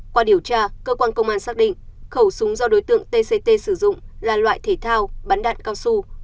qua điều tra cơ quan công an xác định khẩu súng do đối tượng t c t sử dụng là loại thể thao bắn đạn cao su